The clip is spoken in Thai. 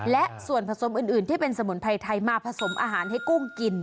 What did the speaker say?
และส่วนผสมอื่นที่เป็นสมุนไพรไทยมาผสมอาหารให้กุ้งกิน